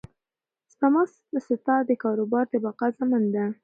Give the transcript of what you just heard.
سپما ستا د کاروبار د بقا ضامن ده.